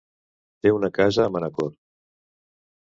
Té una casa a Manacor.